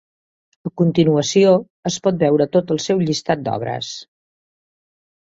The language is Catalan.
A continuació es pot veure tot el seu llistat d'obres.